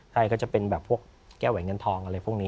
ใช่ก็จะเป็นแบบพวกแก้วแหวนเงินทองอะไรพวกนี้